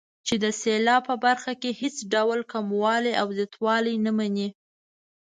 چې د سېلاب په برخه کې هېڅ ډول کموالی او زیاتوالی نه مني.